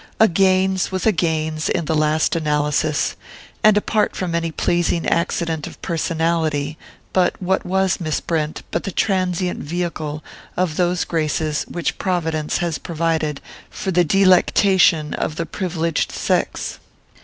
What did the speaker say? A Gaines was a Gaines in the last analysis, and apart from any pleasing accident of personality; but what was Miss Brent but the transient vehicle of those graces which Providence has provided for the delectation of the privileged sex?